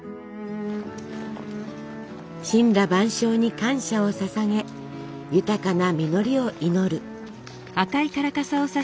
森羅万象に感謝をささげ豊かな実りを祈る。